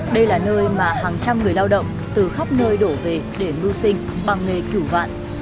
đây là nơi mà hàng trăm người lao động từ khắp nơi đổ về để mưu sinh bằng nghề cửu vạn